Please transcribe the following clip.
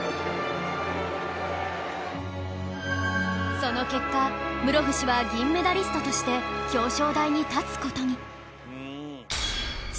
その結果室伏は銀メダリストとして表彰台に立つ事に